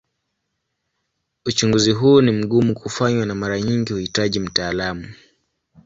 Uchunguzi huu ni mgumu kufanywa na mara nyingi huhitaji mtaalamu.